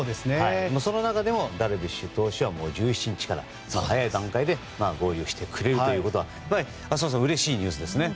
その中でもダルビッシュ投手は１７日から、早い段階で合流してくれるということは浅尾さんうれしいニュースですね。